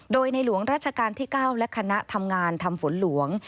โดยในหลวงราชการที่๙และคณะทำงานทำฝนหลวง